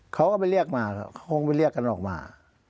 เขาก็ไปเรียกมาเขาคงไปเรียกกันออกมา